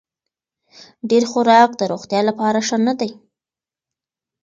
ډېر خوراک د روغتیا لپاره ښه نه دی.